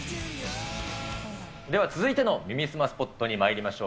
では続いての耳すまスポットにまいりましょう。